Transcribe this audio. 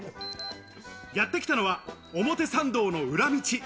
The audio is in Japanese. やってきたのは表参道の裏道。